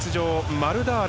マルダーレ。